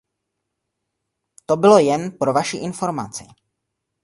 To bylo jen pro vaši informaci.